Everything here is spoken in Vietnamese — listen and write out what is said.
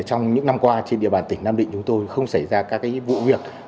trong những năm qua trên địa bàn tỉnh nam định chúng tôi không xảy ra các vụ việc